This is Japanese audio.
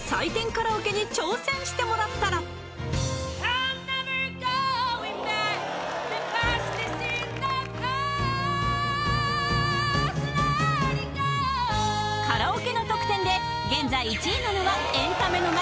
カラオケに挑戦してもらったらカラオケの得点で現在１位なのはエンタメの街